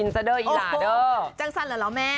จ้างสั้นเหรอแล้วแม่